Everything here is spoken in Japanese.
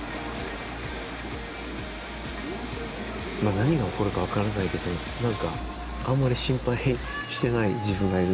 何が起こるか分からないけどあんまり心配してない自分がいる。